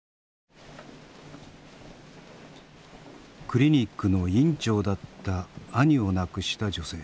クリニックの院長だった兄を亡くした女性。